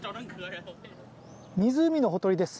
湖のほとりです。